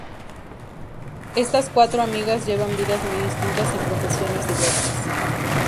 Estas cuatro amigas llevan vidas muy distintas y profesiones diversas.